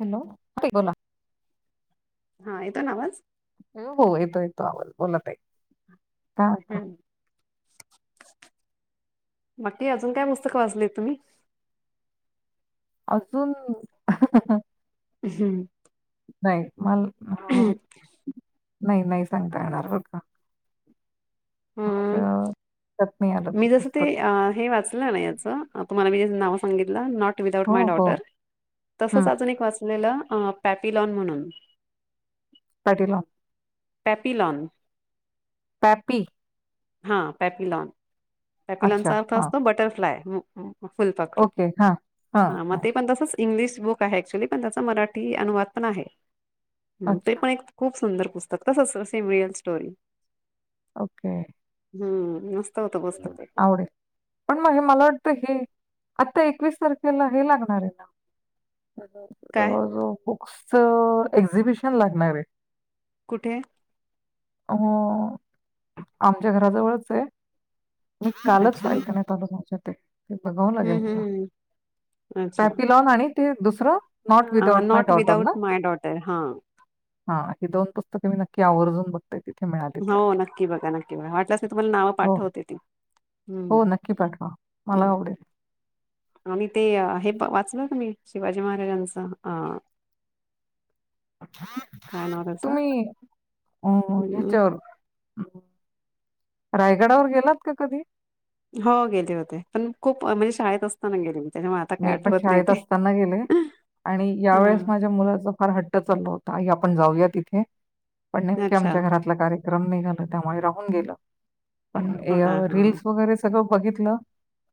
Hello बोला हा येतोय ना आवाज हो हो येतो येतो आवज बोलत आहे हम्म बागकी अजून काय पुस्तकं वाचली तुम्ही अजून हम्म नाही मला नाही नाही सांगता येणार बर का. हम् माझं लक्षात नाही आलं मी जसं ते पुस्तक अ हे वाचलं ना याच तुम्हाला मी नाव सांगितलं नॉट विदाउट हो माय हो डॉटर तसच हं अजून एक वाचलेलं अ पॅपिलॉन म्हणून पाटला पॅपीलन पापी हा पॅपिलॉन अच्छा पॅपिलॉनचा अर्थ हां असतो बटरफ्लाय फुल पकर ओके हां हां ह हां मे पण दसा इंग्लिश बुक आहे क्च्युली पण त्याचा मराठी अनुवाद पण आहे ते अच्छा पण खूप सुंदर पुस्तक तस सम रियल स्टोरी ओके हा आवडेल पण मग हे मला वाटतं हे आता एकवीस तारखेला हे लागणार आहे ना काय जवळ जवळ बुक्स एक्झिबिशन लागणार आहे कुठे हो आमच्या घराजवळच आहे मी कालच अच्छा बायकण्यात आलो माझ्या ते ते बघाव लागेल हम्म हम्म हम्म. पॅपी लाॉन आणि ते दुसरं नॉट ह without my not daughter without ना माय डॉटर हा हा ह दोन पुस्तकं मी नक्की आवर्जून बघ हो नक्की बघा नक्की बघा वाटलंसी तुम्हाला नावं हो पाठवतील हो नक्की पाठवा मला हम्म. आवडेल आणि ते हे वाचलं तुम्ही शिवाजी महाराजांचं अ काय नावतस तुम्ही अं, हम् ह्याच्यावर अं, रायगडावर गेलात का कधी हो गेले होते पण खूप म्हणजे शाळेत असताना गेली होती मी पण शाळेत असताना गेले आणि यावेेळेस हा माझ्या मुलाचा फार हट्ट चालला होता आपण जाऊया तिथे पण नेमके अच्छा आमच्या घरातला कार्यक्रम नाही झाल त्यामुळे राहून गेलं पण हा हा हा रीलस वगैरे सगळं बघितलं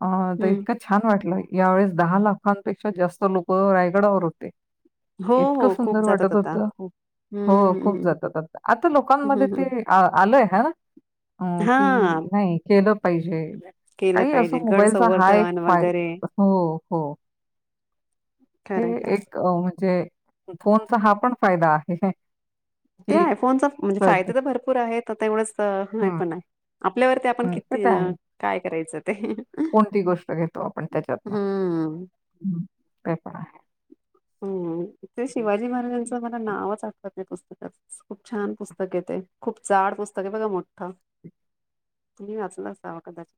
अ तर हम्म. इतकं छान वाटलं यावेेळेस दहा लाखांपेक्षा जास्त लोक रायगडावर होते हम् इतकं सुंदर वाटत होत हो हम्म खूप हम्म जातात आता लोकांमध्ये हम्म, हम्म. ते आलंय हा अह की हा नाही केलं पाहिजे केलं काही असो पाहिजे गड मोबाईलचा हा एक संवर्धन वगैरे फायदा हो हो हे खरंय खरंय एक म्हणजे फोनचा हा पण फायदा आहे ते की आयफोनचा म्हणजे कळतं. फायदे तर भरपूर आहेत तर तेवढंच नाही हं, पण आहे आपल्यावरती आपण हं. ते किती तर आहे. काय करायचं. ते कोणती गोष्ट घेतो आपण त्याच्यातन हम्म ते पण आहे हम्म ते शिवाजी हं. महाराजांचं मला नावच आठवत नाही पुस्तक खूप छान पुस्तक आहे ते खूप जाड पुस्तक आहे बघा मोठं तुम्ही वाचल असावा कदाचित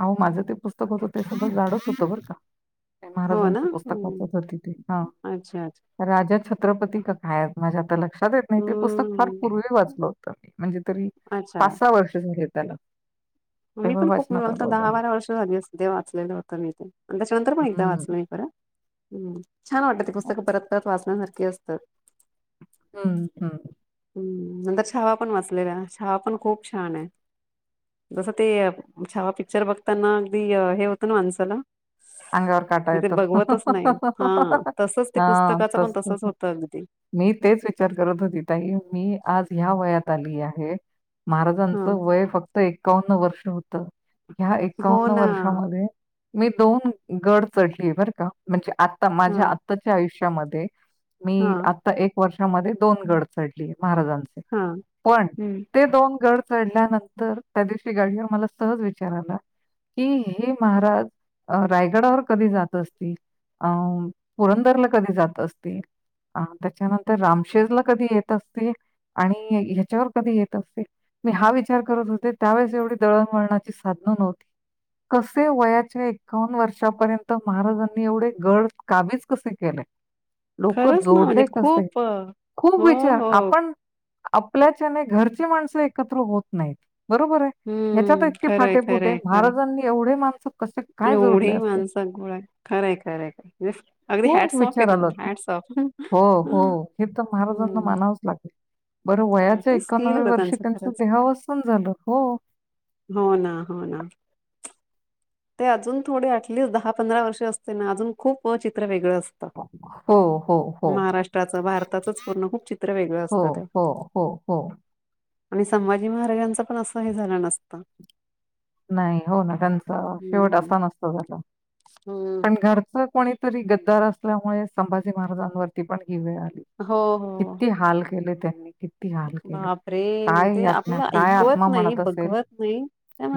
अहो माझं ते पुस्तक होतं ते थोडं जाडच होतं बरं का हो ना महाराजांच पुस्तक हम्म. वाचत होती ते हा अच्छा अच्छा राजा छत्रपती क हाय माझ्या आत ल नाही ते पुस्तक फार हम्म. पूर्वी वाचलं होतं मी म्हणजे तरी अच्छा पाच सहा वर्ष झाली आहेत. त्याला मी तेव्हा पण खूप वाचनात मला आलं तर होतं. दहा बारा वर्ष झाली असतील ते वाचलेलं होतं मी ते आणि त्याच्यानंतर पण एकदा हं, वाचलं मी परत हम्म छान वाटत ते पुस्तकं परत परत वाचण्यासारखी असतात हम्म हम्म. हम्म नंतर छवा पण वाचलेला छवा पण खूप छान आहे. जसं ते छावा पिक्चर बघताना अगदी हे होतं ना माणसाला अंगावर काटा ते येतो. बघवतच नाही. हा. तसच ते हां, पुस्तकाचं पण तसंच. तसच होतं अगदी मी तेच विचार करत होती ताई मी आज ह्या वयात आली आहे हा महाराजांच वय फक्त एकावन्न वर्ष होत. ह्या हो एकावन्न ना वर्षामध्ये मी दोन गड चढलीय बरं का म्हणजे आता माझ्या हा आत्ताच्या आयुष्यामध्ये हा मी आता एक वर्ष मधे दोन गड चढली महाराजांचे हा पण हम्म ते दोन गड चढल्यानंतर त्या दिवशी गाडीवर मला सहज विचार आला कि हे महाराज अह रायगडावर कधी जात असतील अह पुरंदरला कधी जात असतील अह त्याच्यानंतर रामशेजला कधी येत असतील आणि ह्याच्यावर कधी येत असतील मी हा विचार करत होते त्यावेळेस एवढी दळणवळणाची साध्य नव्हती कसे वयाचे एक्कावन्न वर्षापर्यंत महाराजांनी एवढे गड काबीज कसे केले? लोक खरंच ना म्हणजे जोडले कसे, खूप अ, खूप हो विचार हो आपण आपल्याच्याने घरची माणसं एकत्र होत नाहीत बरोबर आहे. ह्याच्यात हम्म इतके खरंय फाटे फुटे आहेत, महाराजांनी एवढे माणसं कसे काय आणि जोडले एवढेही असतील? माणस गोळा खरंय खरंय अगदी खूप हॅटसॉफ आहे विचार आला त्यांना होता. हॅटसॉफ हो हो हे तर महाराजांना मानावंच लागेल बरं वयाच्या ते स्किल एकावन्नाव्या होतं वर्षी त्यांचं त्यांच खरंच देहावसन झालं हो हो ना. हो ना. ते अजून थोडे अटलिस्ट दहा पंधरा वर्ष असते ना अजून खूप चित्र वेगळं असत. हो, हो, हो. महाराष्ट्राचं भारताचंच पूर्ण खूप चित्र वेगळं हो, असतं ते हो, हो, हो. आणि संभाजी महाराजांच पण असं हे झालं नसत नाही हो ना त्यांचा शेवट हम्म. असा नसतो झाला. हम्म. पण घरच कोणी तरी गद्दार असल्यामुळे संभाजी महाराजांवरती पण ही वेळ आली. हो हो किती हाल केले त्यांनी कि बापरे म्हण ते आपलं काय ऐकवत आत्मा नाही म्हणत असेल? बघवत नाही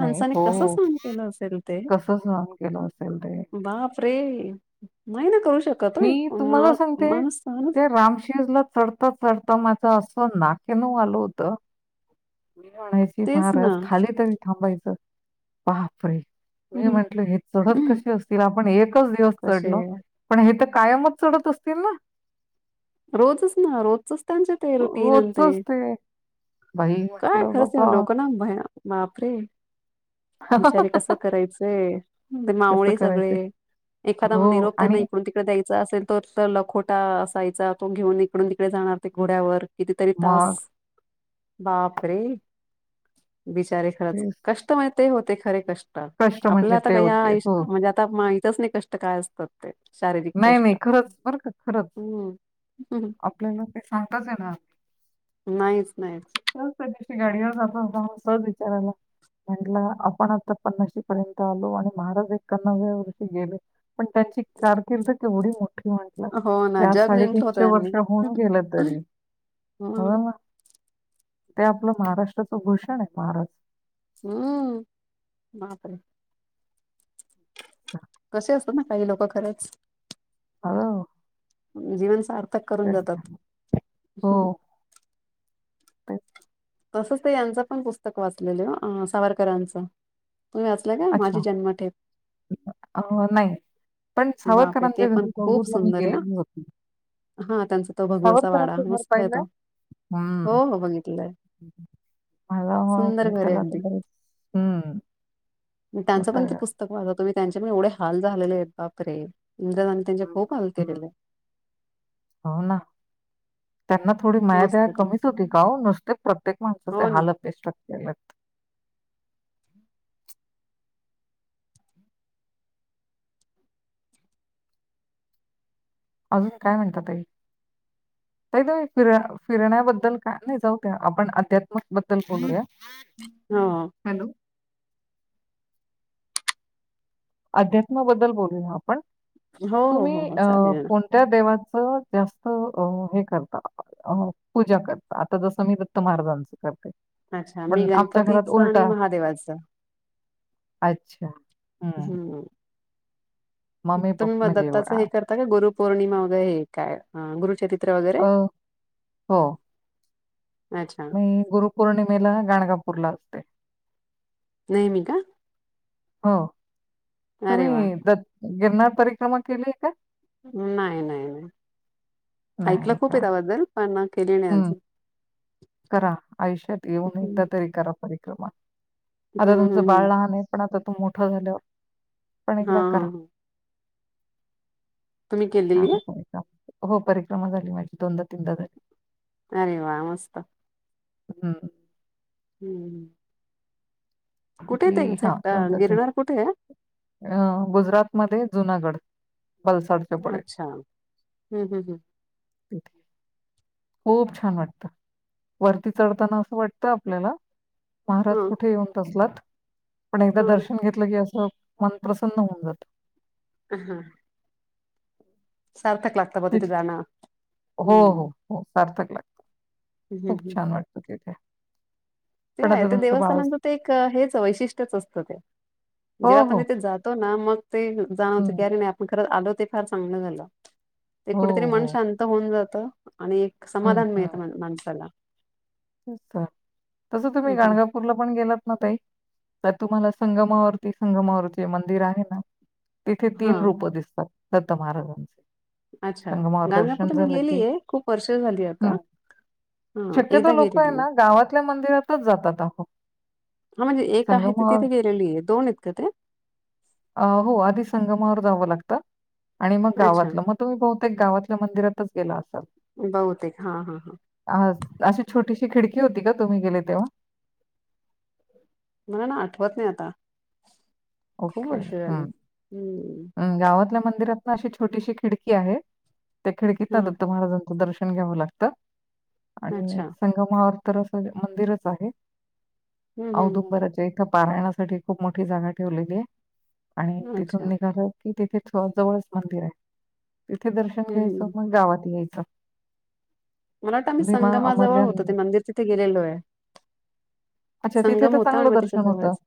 नाही. हो, कस हो. सहन केलं असेल ते. कसं सहन केलं असेल ते? बाप रे नाही ना करू शक मी तुम्हाला सांगते ते रामशीेरला चढता चढता माझ झ असं नाकेनव आल होत. मी म्हणायची तेच ना. महाराज खाली तरी थांबायचं बापरे. मी हं, म्हंटल हे चढत हं. कसे असतील आपण एकच दिवस कसे चढलो पण हे तर कायमच चढत असतील ना. रोजच ना रोजच त्यांचे ते रुटीनं ते बाई काय म्हटलं, खरंच त्या "बाबा लोकांना भयान बापरे. बिचारे कस करायचे ते कसं मावळे करायचं?" सगळे. एखादा हो म निरोप त्यांना आणि इकडून तिकडे द्यायचा असेल तर तो लखोट टा असायचा तो घेऊन इकडून तिकडे जाणार ते घोड्यावर कितीतरी तास. मग बाप रे बिचारे खरंच ते कष्ट माहित होते खरे कष्ट कष्ट आपल्या म्हणजे आता ते का या होते. आष हो. म्हणजे आता काय माहितच नाही कष्ट काय असतात ते. शारीरिक नाही नाही कष्ट खरंच बर का खरच हम्म आपल्याला ते सांगताच येनार नाहीच नाही [unintelligible] गाडीवर जाताना हा असंच विचार आला. म्हटलं आपण आता पन्नाशी पर्यंत आलो आणि महाराज एकांनव्या वर्षी गेले. पण त्याची कार तेवढी मोठी म्हटल हो ना की आज जग जिंकलं साडेतीनशे वर्ष होऊन गेलं तरी. हो हां. ना. ते आपलं महाराष्ट्राचं भूषण हायत महाराज. हम्म बापरे. कशे असतात ना काही लोक खरच. हॅलो. जीवन सार्थक करून जातात. ते. तंच ते यांच पण पुस्तक वाचलेले अं सावरकरांचं. तुम्ही वाचला ना माझी अच्छा जन्म ठेप. अ, नाही. पण बापरे ते सावरकरांच्या पण घरी खूप बघूला मी सुंदर आहे हं. गेलेली होती. हा त्यांचा तो भगूरचा वाडा सावरकरांचं घर मस्त हाय पाहिलंय? तो. हं. हो हो बघितलंय. सुंदर घर आहे अगदी [unintelligible] हम्म. मी त्यांचं पण सुंदर ते आहे. पुस्तक वाचत होते त्यांचे पण एवढे हाल झालेले आहेत बाप रे. इंदिरा गांधी त्यांच्या हम्म, खूप हम्म. हो ना. [unintelligible] त्यांना थोडी माया दया मस्त आहे कमीच त्यांचं. होती का हो नुसते प्रत्येक माणसाचे हो ना हाल [unintelligible] केलेत. अजून काय म्हणता ताई. ताई तुम्ही फिर फिरण्याबद्दल काय नाही जाऊ द्या आपण अध्यात्मिक बद्दल बोलूया. हम्म. हॅलो. अध्यात्माबद्दल बोलूया आपण हो हो तुम्ही हो हो अ चालेल कोणत्या देवा च जास्त अ हे करता अ पूजा करता आता जसं मी दत्त महाराजांचं करते. अच्छा मी पण आमच्या घरात गणपतीच आणि उलटा महादेवाच. अच्छा हम्म. तुम्ही पप्पा मग म्हणजे दत्ताच हे करता का गुरु पौर्णिमा वगैरे हे काय गुरुचरित् अं हो. अच्छा मी गुरुपौर्णिमेला गाणगापूरला नेहमी का. हो अरे वा तुम्ही द गिरनार परिक्रमा केलीय का नाही नाही नाही ऐकलं नाही खूप आहे का? त्याबद्दल पण केले नाही हं. अजून करा आयुष्यात येऊन एकदा हम्म तरी करा परिक्रमा आता हम्म तुमचं हम्म बाळ लहान आहे पण आता तू मोठं झालं हा हा हा छान केलेली आहे पर्रमा हो परिक्रमा झाली माझी दोनदा तीनदा झाली अरे वा मस्त हम्म हम्म कुठे आहे जी ते हा एक्झॅक्ट दोनदा तीन गिरणार कुठे आहे? अ गुजरातमध्ये जुनागड अच्छा हम्म हम्म हम्म क खूप छान वाटतं वरती चढताना असं वाटतं आपल्याला महाराज हम्म कुठे येऊन बसलात पण एकदा दर्शन हा घेतलं की असं मन प्रसन्न होऊन जात ह हम सारथक लागत प तिथ जा हो हो हो सार्थक लागत हम्म खूप हम्म. छान वाटत तिथे ते पण आता ते तुमचं बाळच देवस्थानांचं ते एक हेच वैशिष्ट्यच असतं ते हो, जेव्हा आपण हो. तिथे जातो ना मग ते जाणवतो हं. कर नाही आपण खरं आलो ते फार चांगलं झालं ते हो, कुठेतरी मन हो. शांत होऊन जात आणि एक हं, समाधान मिळत हं. माणसाला तसं तुम्ही गाणगापूरला पण गेलात ना ताई तर तुम्हाला संगमावरती संगमावरती मंदिर आहे ना तिथे हा तीन रूप दिसतात दत्त महाराजांचे अच्छा संगमावर दर्शन गाणगापूर मी झालं की गेलीय खूप वर्ष झाली आता हा एकदा घेरी य ना गावातल्या मंदिरातच जातातो हा म्हणजे एक आहे ते तिथे गेलेली आहे दोन आहेत काय ते हो आधी संगमावर जावं लागतं आणि मग अच्छा गावातलं मग तु बहुतेक गावातल्या मंदिरातच गेला असाल बहुतेक हा हा हा अ अशी छोटी खिडकी होती का तुम्ही गेले तेव्हा मला ना आठवत नाही आता खूप ओके वर्ष झाली. हम्म हम्म् गावातल्या मंदिरात अशी छोटीशी खिडकी आहे त्या खिडकीत ना हा दत्त महाराजांचं दर्शन घ्यावं लागतं आणि अच्छा संगमवर तर असं मंदिरच आहे हम्म हम्म औदुंबराच्या इथं पारायणासाठी खूप मोठी जागा ठेवलेली आहे आणि अच्छा तिथून निघालं की तिथे जवळच मंदिर आहे तिथे दर्शन हम्म घ्यायचं हम्म. मग गावात यायचं मला वाटतं आम्ही भीमा संगमाजवळ अमरजान होतो ते मंदिर तिथे गेलेलो आहे अच्छा तिथे संगम तर होता आणि चांगलं मग त्याच्या दर्शन होतं. जवळच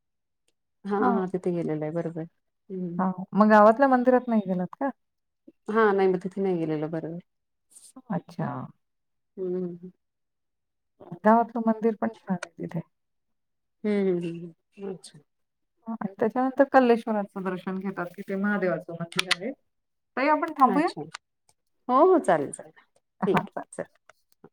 हा हा तिथे गेलेला आहे बरोबर हम्म हा मग गावातल्या मंदिरात नाही गेलात का हा नाही मग तिथे नाही गेलेलं बरोबर अच्छा हम्म अहमदाबादच मंदिर पण छान आहे तिथे हम्म अच्छा त्याच्यानंतर कल्लेश्वराचं दर्शन घेतात कि ते महादेवाचं मंदिर आहे ताई आपण अच्छा थांबूया? हो हो चालेल चालेल ठीक आहे चल